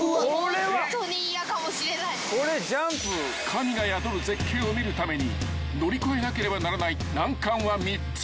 ［神が宿る絶景を見るために乗り越えなければならない難関は３つ］